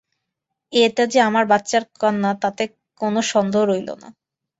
এটা যে আমার বাচ্চার কান্না তাতে কোনও সন্দেহ রইল না।